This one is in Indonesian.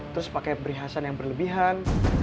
terus pakai perhiasan yang berlebihan